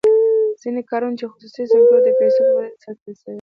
ځینې کارونه چې خصوصي سکتور یې د پیسو په بدل کې سر ته رسوي.